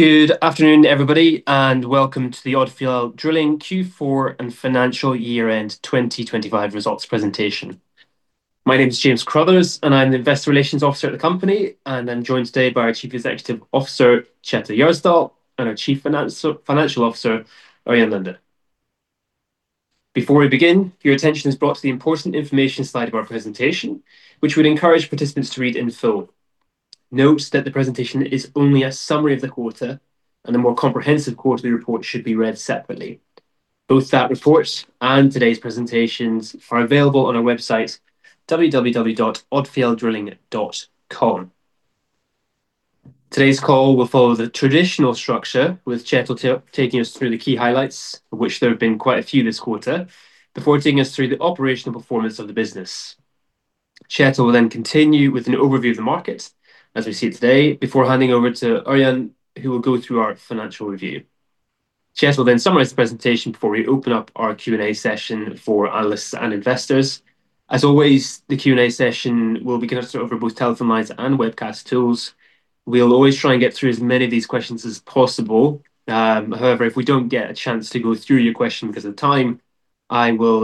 Good afternoon, everybody, and welcome to the Odfjell Drilling Q4 and financial year-end 2025 results presentation. My name is James Crothers, and I'm the Investor Relations Officer at the company, and I'm joined today by our Chief Executive Officer, Kjetil Gjersdal, and our Chief Financial Officer, Ørjan Lunde. Before we begin, your attention is brought to the important information slide of our presentation, which we'd encourage participants to read in full. Note that the presentation is only a summary of the quarter, and a more comprehensive quarterly report should be read separately. Both that report and today's presentations are available on our website, www.odfjelldrilling.com. Today's call will follow the traditional structure, with Kjetil taking us through the key highlights, which there have been quite a few this quarter, before taking us through the operational performance of the business. Kjetil will then continue with an overview of the market as we see it today, before handing over to Ørjan, who will go through our financial review. Kjetil will then summarize the presentation before we open up our Q&A session for analysts and investors. As always, the Q&A session will be conducted over both telephone lines and webcast tools. We'll always try and get through as many of these questions as possible. However, if we don't get a chance to go through your question 'cause of time, I will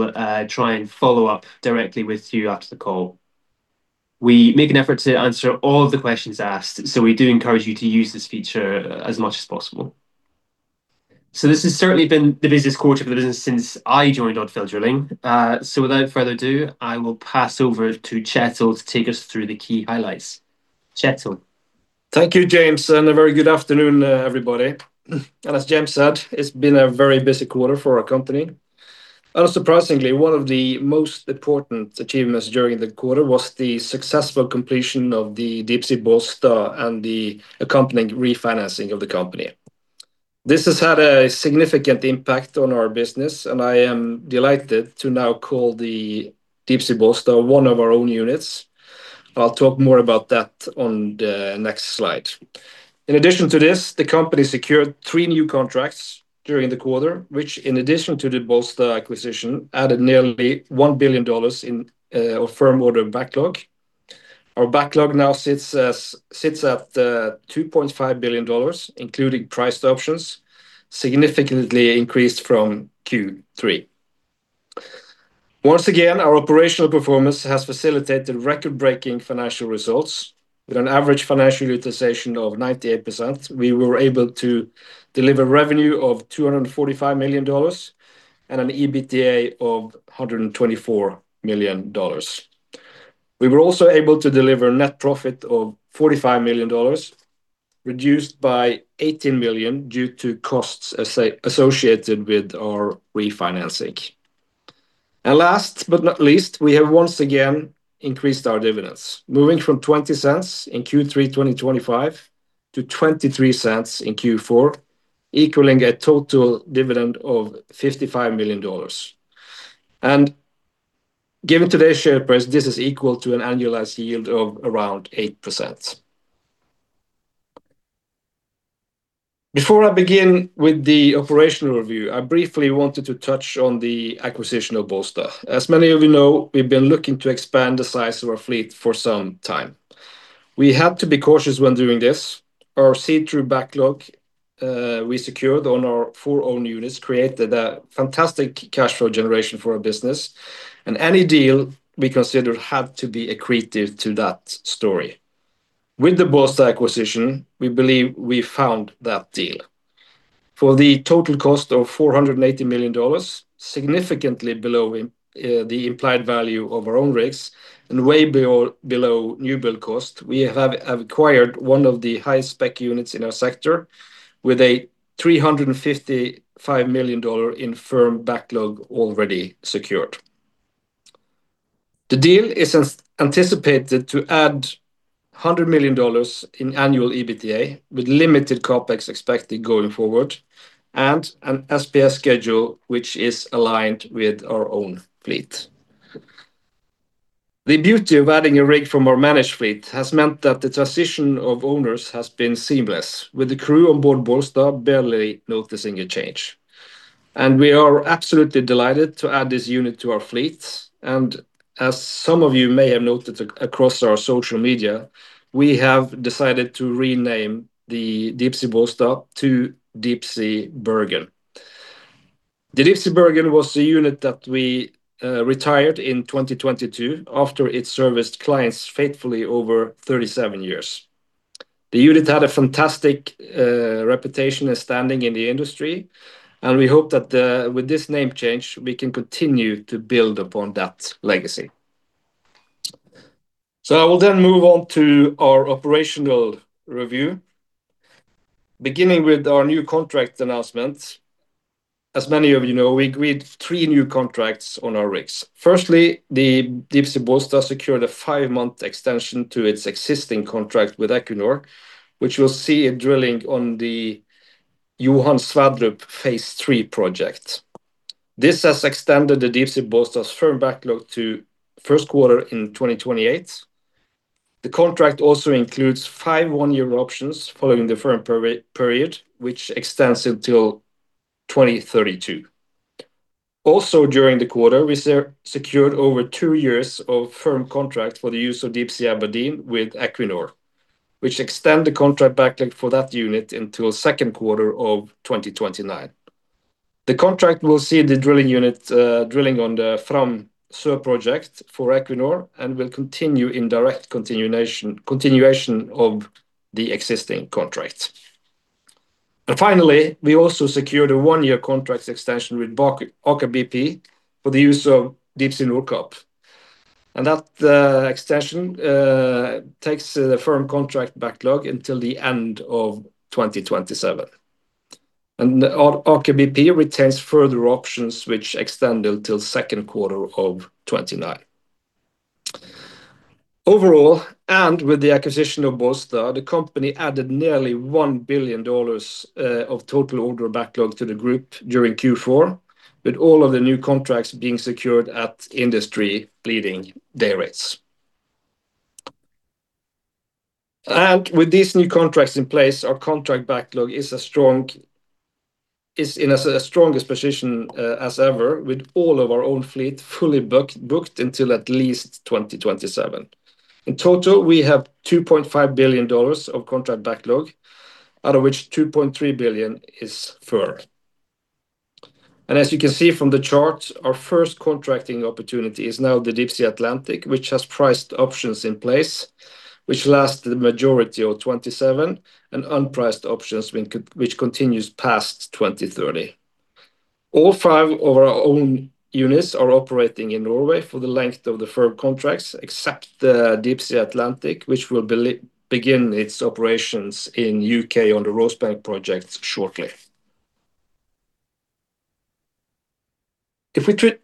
try and follow up directly with you after the call. We make an effort to answer all of the questions asked, so we do encourage you to use this feature as much as possible. This has certainly been the busiest quarter for the business since I joined Odfjell Drilling. Without further ado, I will pass over to Kjetil to take us through the key highlights. Kjetil? Thank you, James, a very good afternoon, everybody. As James said, it's been a very busy quarter for our company. Unsurprisingly, one of the most important achievements during the quarter was the successful completion of the Deepsea Bollsta and the accompanying refinancing of the company. This has had a significant impact on our business, and I am delighted to now call the Deepsea Bollsta one of our own units. I'll talk more about that on the next slide. In addition to this, the company secured three new contracts during the quarter, which in addition to the Bollsta acquisition, added nearly $1 billion in our firm order backlog. Our backlog now sits at $2.5 billion, including priced options, significantly increased from Q3. Once again, our operational performance has facilitated record-breaking financial results. With an average financial utilization of 98%, we were able to deliver revenue of $245 million and an EBITDA of $124 million. We were also able to deliver net profit of $45 million, reduced by $18 million due to costs associated with our refinancing. Last but not least, we have once again increased our dividends, moving from $0.20 in Q3 2025 to $0.23 in Q4, equaling a total dividend of $55 million. Given today's share price, this is equal to an annualized yield of around 8%. Before I begin with the operational review, I briefly wanted to touch on the acquisition of Deepsea Bollsta. As many of you know, we've been looking to expand the size of our fleet for some time. We had to be cautious when doing this. Our see-through backlog, we secured on our 4 own units, created a fantastic cash flow generation for our business. Any deal we considered had to be accretive to that story. With the Bollsta acquisition, we believe we found that deal. For the total cost of $480 million, significantly below the implied value of our own rigs and way below new build cost, we have acquired one of the highest spec units in our sector with a $355 million in firm backlog already secured. The deal is as anticipated to add $100 million in annual EBITDA, with limited CapEx expected going forward, and an SPS schedule, which is aligned with our own fleet. The beauty of adding a rig from our managed fleet has meant that the transition of owners has been seamless, with the crew on board Deepsea Bollsta barely noticing a change. We are absolutely delighted to add this unit to our fleet. As some of you may have noted across our social media, we have decided to rename the Deepsea Bollsta to Deepsea Bergen. The Deepsea Bergen was the unit that we retired in 2022 after it serviced clients faithfully over 37 years. The unit had a fantastic reputation and standing in the industry, and we hope that with this name change, we can continue to build upon that legacy. I will then move on to our operational review, beginning with our new contract announcement. As many of you know, we agreed 3 new contracts on our rigs. Firstly, the Deepsea Bollsta secured a 5-month extension to its existing contract with Equinor, which will see it drilling on the Johan Sverdrup Phase III project. This has extended the Deepsea Bollsta's firm backlog to Q1 2028. The contract includes 5 one-year options following the firm period, which extends until 2032. During the quarter, we secured over 2 years of firm contract for the use of Deepsea Aberdeen with Equinor, which extend the contract backlog for that unit until Q2 2029. The contract will see the drilling unit drilling on the Fram Sør project for Equinor, and will continue in direct continuation of the existing contract. We also secured a 1-year contract extension with Aker BP for the use of Deepsea Nordkapp. That extension takes the firm contract backlog until the end of 2027. Aker BP retains further options, which extend until 2Q 2029. Overall, with the acquisition of Deepsea Bollsta, the company added nearly $1 billion of total order backlog to the group during Q4, with all of the new contracts being secured at industry-leading day rates. With these new contracts in place, our contract backlog is in a strongest position as ever, with all of our own fleet fully booked until at least 2027. In total, we have $2.5 billion of contract backlog, out of which $2.3 billion is firm. As you can see from the chart, our first contracting opportunity is now the Deepsea Atlantic, which has priced options in place, which last the majority of 2027, and unpriced options which continues past 2030. All five of our own units are operating in Norway for the length of the firm contracts, except the Deepsea Atlantic, which will begin its operations in U.K. on the Rosebank project shortly.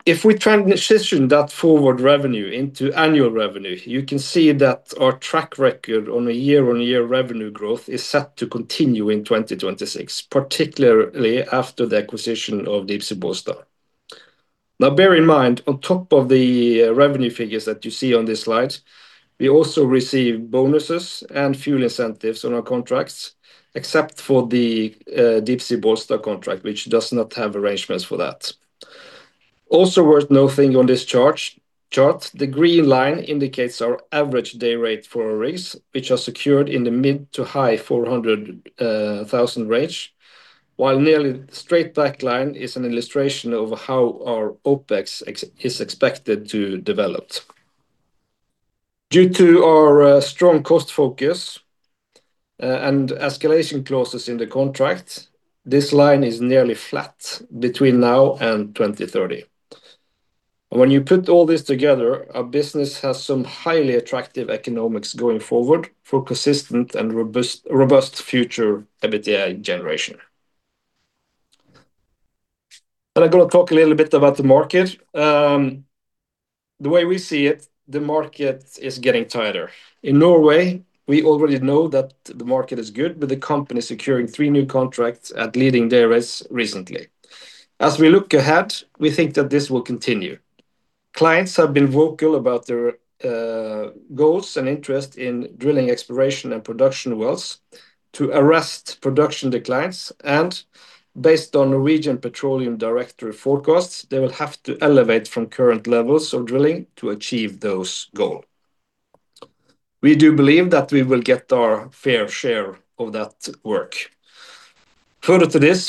If we transition that forward revenue into annual revenue, you can see that our track record on a year-on-year revenue growth is set to continue in 2026, particularly after the acquisition of Deepsea Bollsta. Now, bear in mind, on top of the revenue figures that you see on this slide, we also receive bonuses and fuel incentives on our contracts, except for the Deepsea Bollsta contract, which does not have arrangements for that. Also worth noting on this chart, the green line indicates our average day rate for rigs, which are secured in the mid to high $400,000 range, while nearly straight back line is an illustration of how our OpEx is expected to develop. Due to our strong cost focus, and escalation clauses in the contract, this line is nearly flat between now and 2030. When you put all this together, our business has some highly attractive economics going forward for consistent and robust future EBITDA generation. I'm gonna talk a little bit about the market. The way we see it, the market is getting tighter. In Norway, we already know that the market is good, with the company securing 3 new contracts at leading day rates recently. As we look ahead, we think that this will continue. Clients have been vocal about their goals and interest in drilling exploration and production wells to arrest production declines, and based on Norwegian Petroleum Directorate forecasts, they will have to elevate from current levels of drilling to achieve those goal. We do believe that we will get our fair share of that work.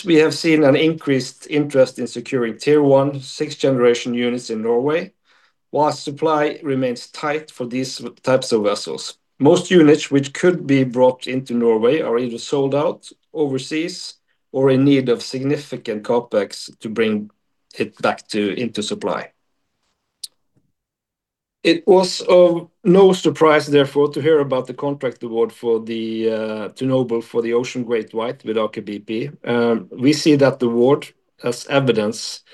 We have seen an increased interest in securing Tier 1 sixth-generation units in Norway, while supply remains tight for these types of vessels. Most units which could be brought into Norway are either sold out overseas or in need of significant CapEx to bring it into supply. It was of no surprise, therefore, to hear about the contract award for the to Noble for the Ocean GreatWhite with Aker BP. We see that the award as evidence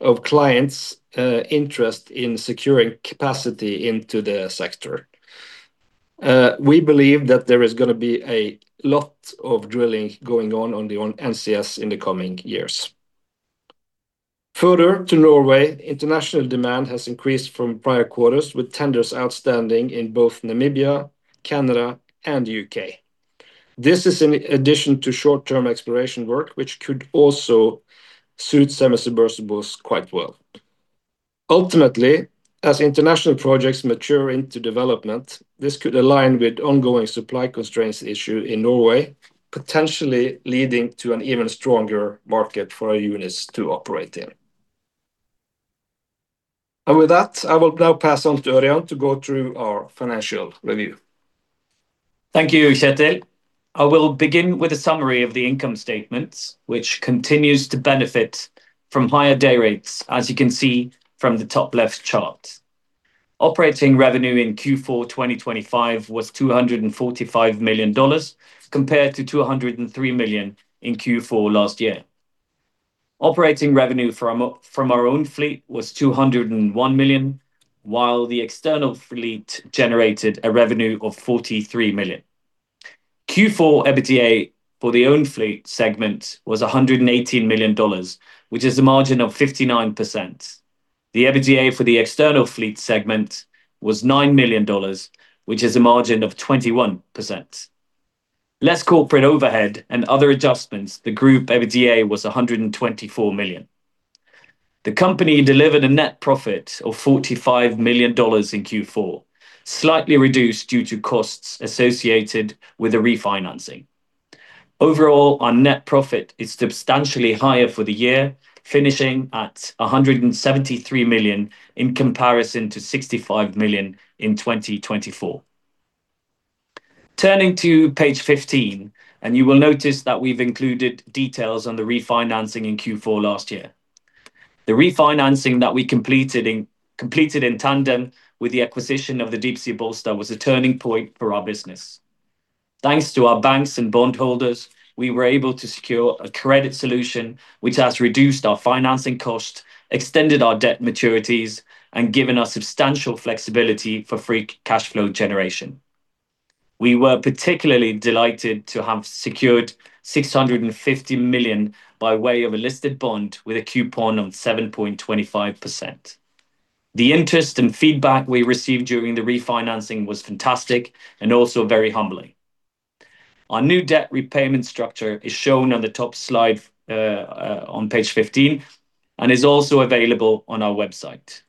of clients' interest in securing capacity into the sector. We believe that there is gonna be a lot of drilling going on on the NCS in the coming years. Further to Norway, international demand has increased from prior quarters, with tenders outstanding in both Namibia, Canada, and U.K. This is in addition to short-term exploration work, which could also suit semi-submersibles quite well. Ultimately, as international projects mature into development, this could align with ongoing supply constraints issue in Norway, potentially leading to an even stronger market for our units to operate in. With that, I will now pass on to Ørjan to go through our financial review. Thank you, Kjetil. I will begin with a summary of the income statement, which continues to benefit from higher day rates, as you can see from the top left chart. Operating revenue in Q4 2025 was $245 million, compared to $203 million in Q4 last year. Operating revenue from our own fleet was $201 million, while the external fleet generated a revenue of $43 million. Q4 EBITDA for the own fleet segment was $118 million, which is a margin of 59%. The EBITDA for the external fleet segment was $9 million, which is a margin of 21%. Less corporate overhead and other adjustments, the group EBITDA was $124 million. The company delivered a net profit of $45 million in Q4, slightly reduced due to costs associated with the refinancing. Our net profit is substantially higher for the year, finishing at $173 million, in comparison to $65 million in 2024. Turning to page 15, you will notice that we've included details on the refinancing in Q4 last year. The refinancing that we completed in tandem with the acquisition of the Deepsea Bollsta was a turning point for our business. Thanks to our banks and bondholders, we were able to secure a credit solution which has reduced our financing cost, extended our debt maturities, and given us substantial flexibility for free cash flow generation. We were particularly delighted to have secured $650 million by way of a listed bond with a coupon of 7.25%. The interest and feedback we received during the refinancing was fantastic and also very humbling. Our new debt repayment structure is shown on the top slide on page 15 and is also available on our website.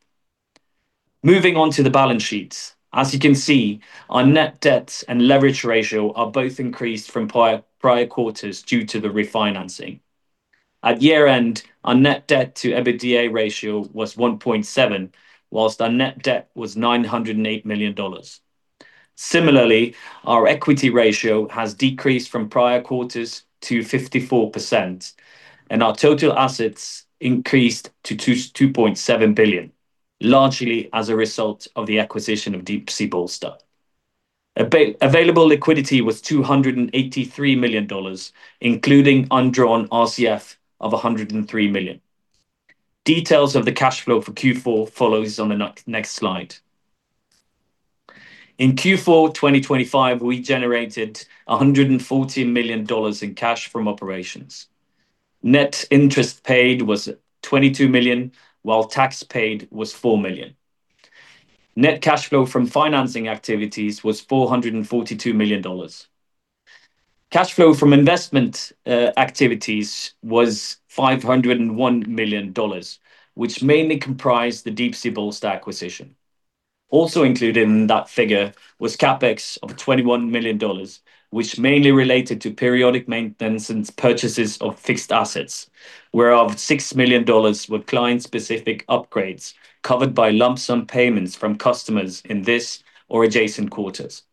Moving on to the balance sheets. As you can see, our net debts and leverage ratio are both increased from prior quarters due to the refinancing. At year-end, our net debt to EBITDA ratio was 1.7x, whilst our net debt was $908 million. Similarly, our equity ratio has decreased from prior quarters to 54%, and our total assets increased to $2.7 billion, largely as a result of the acquisition of Deepsea Bollsta. Available liquidity was $283 million, including undrawn RCF of $103 million. Details of the cash flow for Q4 follows on the next slide. In Q4, 2025, we generated $140 million in cash from operations. Net interest paid was $22 million, while tax paid was $4 million. Net cash flow from financing activities was $442 million. Cash flow from investment activities was $501 million, which mainly comprised the Deepsea Bollsta acquisition. Also included in that figure was CapEx of $21 million, which mainly related to periodic maintenance and purchases of fixed assets, whereof $6 million were client-specific upgrades covered by lump sum payments from customers in this or adjacent quarters.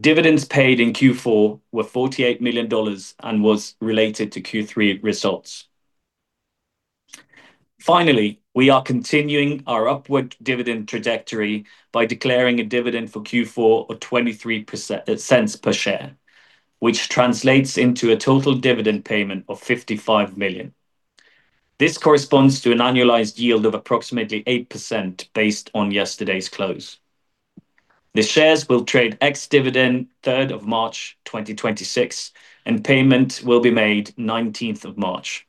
Dividends paid in Q4 were $48 million and was related to Q3 results. Finally, we are continuing our upward dividend trajectory by declaring a dividend for Q4 of $0.23 per share, which translates into a total dividend payment of $55 million. This corresponds to an annualized yield of approximately 8% based on yesterday's close. The shares will trade ex-dividend third of March 2026. Payment will be made nineteenth of March.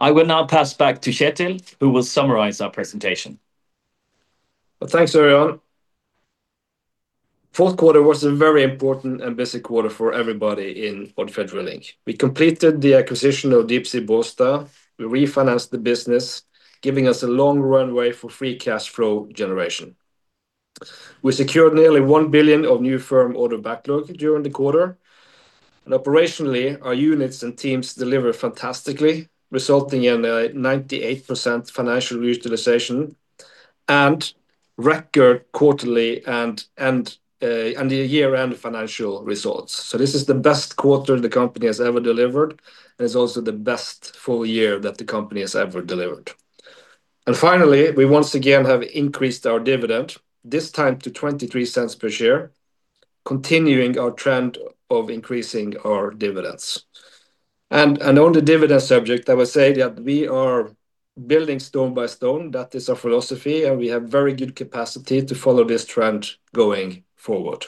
I will now pass back to Kjetil, who will summarize our presentation. Well, thanks, everyone. Fourth quarter was a very important and busy quarter for everybody in Odfjell Drilling. We completed the acquisition of Deepsea Bollsta. We refinanced the business, giving us a long runway for free cash flow generation. We secured nearly $1 billion of new firm order backlog during the quarter. Operationally, our units and teams delivered fantastically, resulting in a 98% financial utilization and record quarterly and the year-end financial results. This is the best quarter the company has ever delivered, and it's also the best full year that the company has ever delivered. Finally, we once again have increased our dividend, this time to $0.23 per share, continuing our trend of increasing our dividends. On the dividend subject, I will say that we are building stone by stone. That is our philosophy, and we have very good capacity to follow this trend going forward.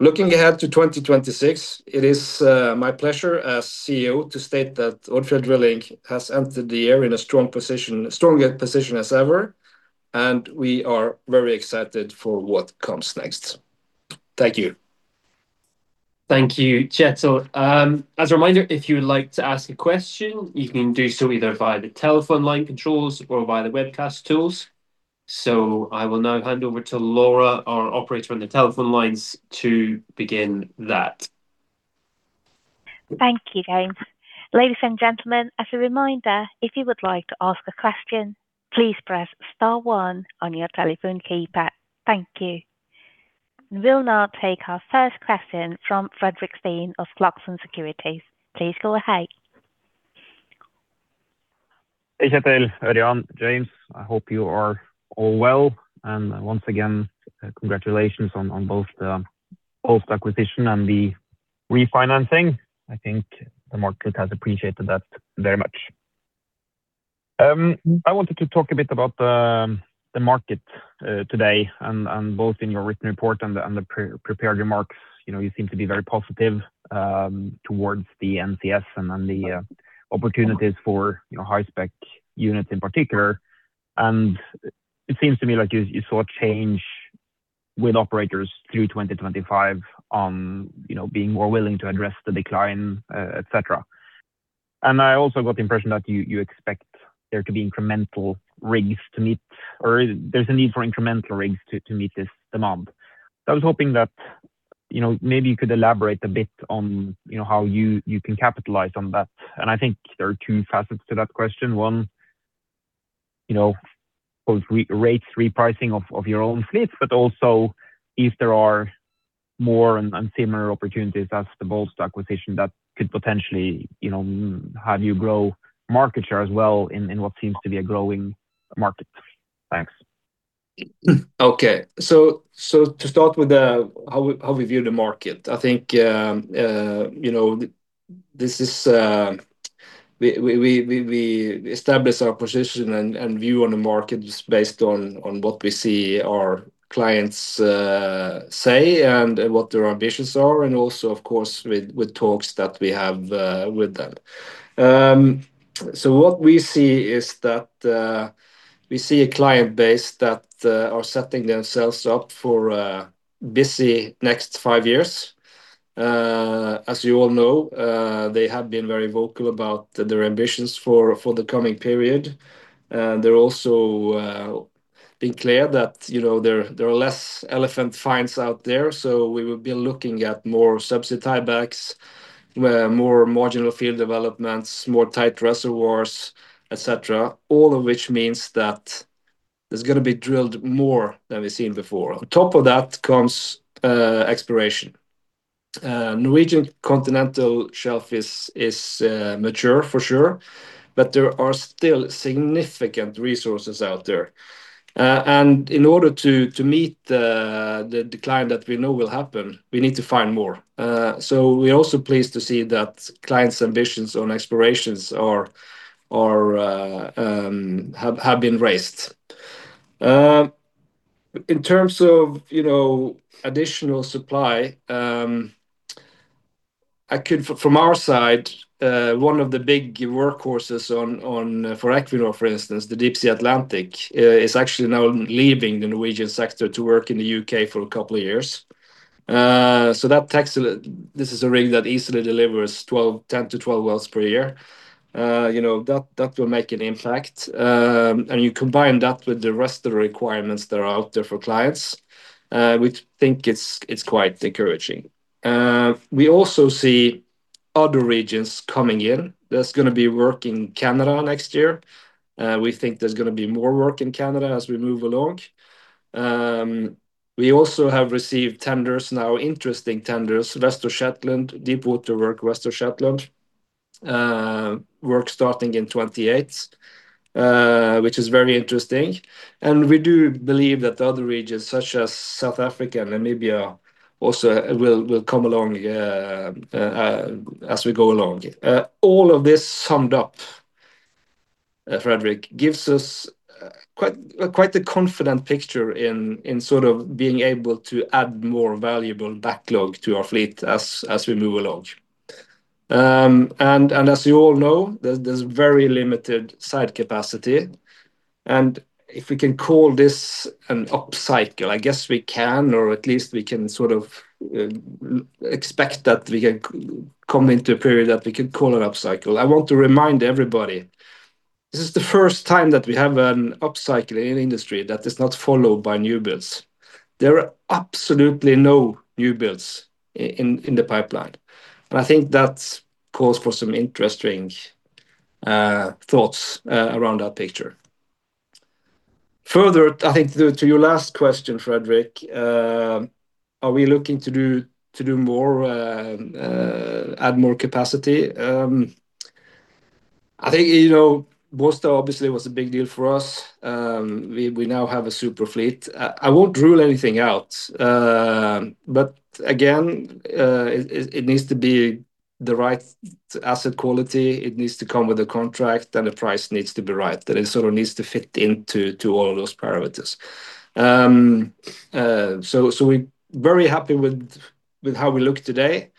Looking ahead to 2026, it is, my pleasure as CEO to state that Odfjell Drilling has entered the year in a strong a position as ever, and we are very excited for what comes next. Thank you. Thank you, Kjetil. As a reminder, if you would like to ask a question, you can do so either via the telephone line controls or via the webcast tools. I will now hand over to Laura, our Operator on the telephone lines, to begin that. Thank you, James. Ladies and gentlemen, as a reminder, if you would like to ask a question, please press star one on your telephone keypad. Thank you. We'll now take our first question from Frederik Stene of Clarksons Securities. Please go ahead. Hey, Kjetil, Ørjan, James, I hope you are all well. Once again, congratulations on both the Deepsea Bollsta acquisition and the refinancing. I think the market has appreciated that very much. I wanted to talk a bit about the market today, and in your written report and the pre-prepared remarks. You know, you seem to be very positive towards the NCS and the opportunities for, you know, high-spec units in particular. It seems to me like you saw a change with operators through 2025 on, you know, being more willing to address the decline, et cetera. I also got the impression that you expect there to be incremental rigs to meet, or there's a need for incremental rigs to meet this demand. I was hoping that, you know, maybe you could elaborate a bit on, you know, how you can capitalize on that. I think there are two facets to that question. One, you know, both rates repricing of your own fleet, but also if there are more and similar opportunities as the Bollsta acquisition that could potentially, you know, have you grow market share as well in what seems to be a growing market. Thanks. Okay. To start with, how we view the market, I think, you know, this is we establish our position and view on the market just based on what we see our clients say, and what their ambitions are, and also, of course, with talks that we have with them. What we see is that we see a client base that are setting themselves up for a busy next 5 years. As you all know, they have been very vocal about their ambitions for the coming period. They're also being clear that, you know, there are less elephant finds out there, so we will be looking at more subsea tiebacks, more marginal field developments, more tight reservoirs, et cetera. All of which means that there's going to be drilled more than we've seen before. On top of that comes exploration. Norwegian Continental Shelf is mature for sure, but there are still significant resources out there. In order to meet the decline that we know will happen, we need to find more. We're also pleased to see that clients ambitions on explorations are have been raised. In terms of, you know, additional supply, from our side, one of the big workhorses on, for Equinor, for instance, the Deepsea Atlantic, is actually now leaving the Norwegian sector to work in the UK for a couple of years. That takes a little. This is a rig that easily delivers 10 to 12 wells per year. You know, that will make an impact. You combine that with the rest of the requirements that are out there for clients, we think it's quite encouraging. We also see other regions coming in. There's going to be work in Canada next year. We think there's going to be more work in Canada as we move along. We also have received tenders now, interesting tenders, Western Shetland, deepwater work, Western Shetland, work starting in 2028, which is very interesting. We do believe that other regions, such as South Africa and Namibia, also will come along as we go along. All of this summed up, Frederik, gives us quite a confident picture in sort of being able to add more valuable backlog to our fleet as we move along. And as you all know, there's very limited side capacity, and if we can call this an upcycle, I guess we can, or at least we can sort of, expect that we can come into a period that we can call an upcycle. I want to remind everybody, this is the first time that we have an upcycle in an industry that is not followed by new builds. There are absolutely no new builds in the pipeline, and I think that's cause for some interesting, thoughts, around that picture. Further, I think to your last question, Frederik, are we looking to do, to do more, add more capacity? I think, you know, Bollsta obviously was a big deal for us. We, we now have a super fleet. I won't rule anything out. Again, it needs to be the right asset quality, it needs to come with a contract, and the price needs to be right. That it sort of needs to fit into all of those parameters. We're very happy with how we look today.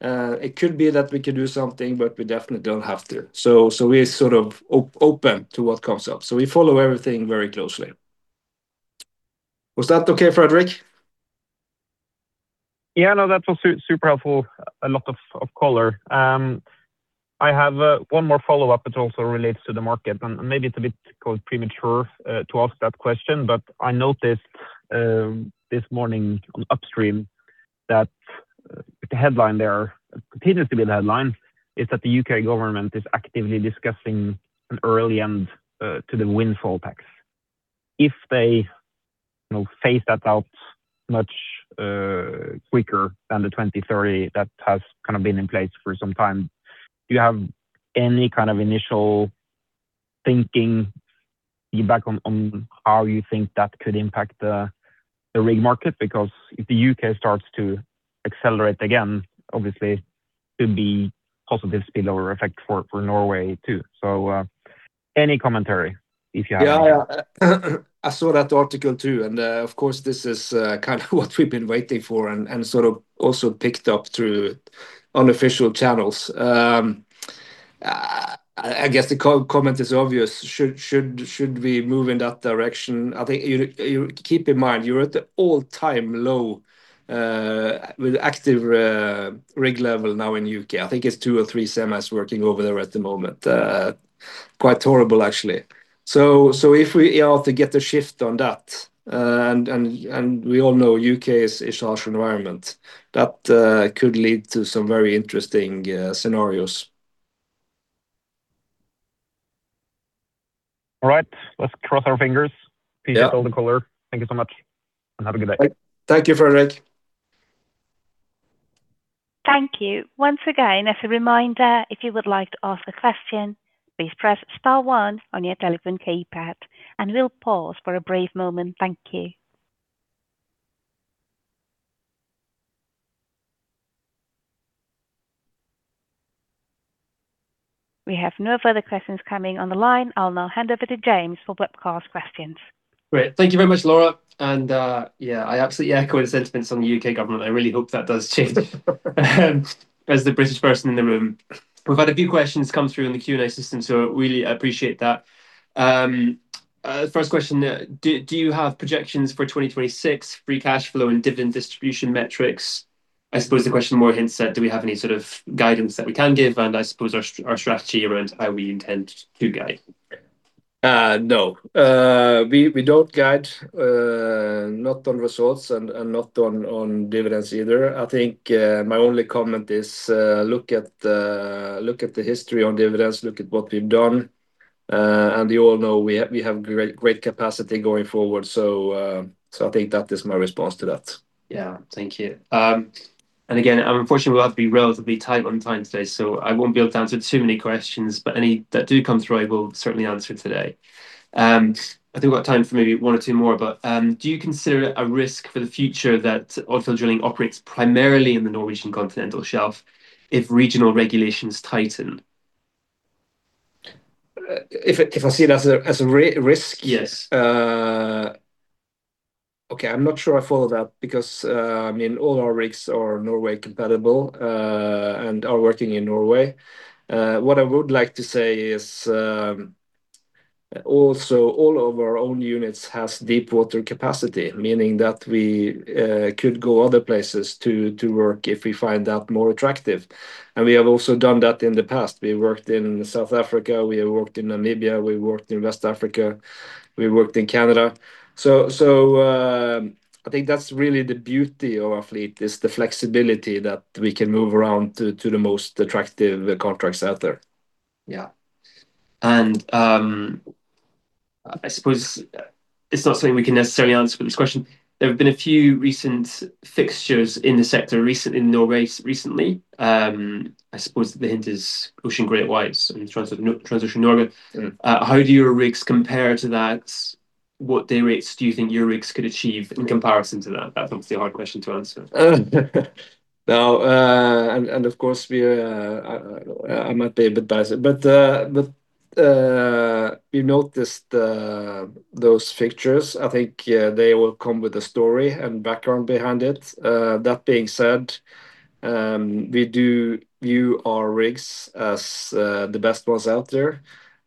It could be that we could do something, but we definitely don't have to. We're sort of open to what comes up, we follow everything very closely. Was that okay, Frederik? Yeah, no, that was super helpful. A lot of color. I have one more follow-up that also relates to the market, and maybe it's a bit premature to ask that question. I noticed this morning on Upstream that the headline there, continues to be the headline, is that the UK government is actively discussing an early end to the windfall tax. If they, you know, phase that out much quicker than the 2030, that has kind of been in place for some time, do you have any kind of initial thinking feedback on how you think that could impact the rig market? If the U.K. starts to accelerate again, obviously there'd be positive spillover effect for Norway, too. Any commentary, if you have any? I saw that article, too, and, of course, this is kind of what we've been waiting for and sort of also picked up through unofficial channels. I guess the comment is obvious. Should we move in that direction? I think you keep in mind, you're at the all-time low, with active rig level now in U.K. I think it's 2 or 3 semis working over there at the moment. Quite horrible, actually. If we are to get a shift on that, and we all know U.K. is a harsh environment, that could lead to some very interesting scenarios. All right, let's cross our fingers. Yeah. Peace over color. Thank you so much, and have a good day. Thank you, Frederik. Thank you. Once again, as a reminder, if you would like to ask a question, please press star one on your telephone keypad, and we'll pause for a brief moment. Thank you. We have no further questions coming on the line. I'll now hand over to James for webcast questions. Great. Thank you very much, Laura. Yeah, I absolutely echo the sentiments on the UK government. I really hope that does change. As the British person in the room. We've had a few questions come through in the Q&A system. Really appreciate that. First question: do you have projections for 2026 free cash flow and dividend distribution metrics? I suppose the question more hints at, do we have any sort of guidance that we can give, and I suppose our strategy around how we intend to guide? No. We don't guide, not on results and not on dividends either. I think my only comment is, look at the history on dividends, look at what we've done. You all know we have great capacity going forward. I think that is my response to that. Yeah. Thank you. Again, unfortunately, we'll have to be relatively tight on time today, so I won't be able to answer too many questions, but any that do come through, I will certainly answer today. I think we've got time for maybe one or two more, but do you consider it a risk for the future that Odfjell Drilling operates primarily in the Norwegian Continental Shelf if regional regulations tighten? If I see it as a risk? Yes. Okay, I'm not sure I follow that because, I mean, all our rigs are Norway compatible, and are working in Norway. What I would like to say is, also, all of our own units has deep water capacity, meaning that we could go other places to work if we find that more attractive, and we have also done that in the past. We worked in South Africa, we have worked in Namibia, we worked in West Africa, we worked in Canada. I think that's really the beauty of our fleet, is the flexibility that we can move around to the most attractive contracts out there. Yeah. I suppose it's not something we can necessarily answer for this question. There have been a few recent fixtures in the sector recently in Norway recently. I suppose the hint is Ocean GreatWhite and Transocean Norge. Mm. How do your rigs compare to that? What day rates do you think your rigs could achieve in comparison to that? That's obviously a hard question to answer. Now, of course, I might be a bit biased, but we noticed those fixtures. I think they will come with a story and background behind it. That being said, we do view our rigs as the best ones out there,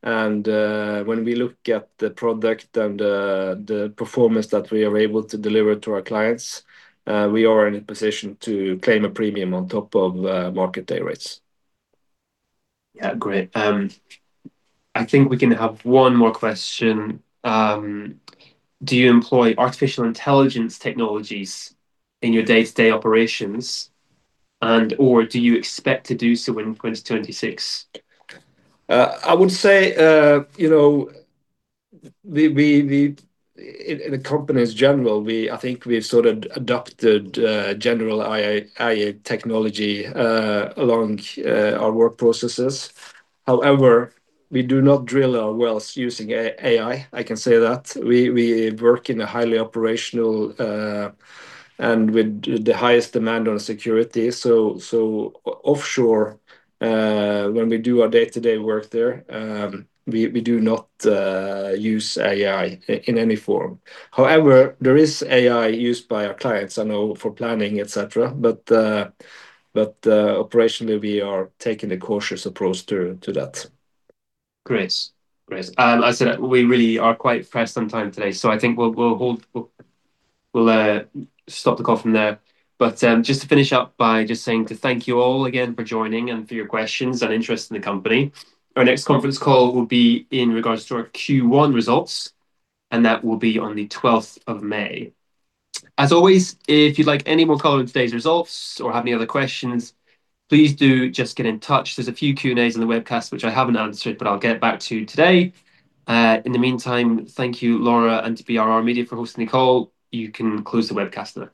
and when we look at the product and the performance that we are able to deliver to our clients, we are in a position to claim a premium on top of market day rates. Yeah. Great. I think we can have one more question. Do you employ artificial intelligence technologies in your day-to-day operations, and/or do you expect to do so in 2026? I would say, you know, we in the company's general, I think we've sort of adopted general AI technology along our work processes. However, we do not drill our wells using AI, I can say that. We work in a highly operational and with the highest demand on security. Offshore, when we do our day-to-day work there, we do not use AI in any form. However, there is AI used by our clients, I know, for planning, et cetera, but operationally, we are taking a cautious approach to that. Great. Great. I said we really are quite pressed on time today, so I think we'll stop the call from there. Just to finish up by just saying to thank you all again for joining and for your questions and interest in the company. Our next conference call will be in regards to our Q1 results. That will be on the 12th of May. As always, if you'd like any more color on today's results or have any other questions, please do just get in touch. There's a few Q&A's on the webcast, which I haven't answered, but I'll get back to you today. In the meantime, thank you, Laura, to PIR Media for hosting the call. You can close the webcast now.